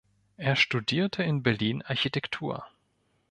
Er studierte in Berlin Architektur.